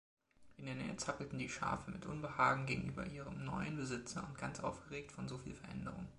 In der Nähe zappelten die Schafe, mit Unbehagen gegenüber ihrem neuen Besitzer und ganz aufgeregt von so viel Veränderung.